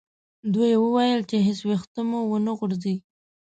دوی وویل چې هیڅ ویښته مو و نه غورځي.